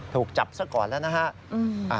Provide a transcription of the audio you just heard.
ถูกจับซะก่อนแล้วนะฮะ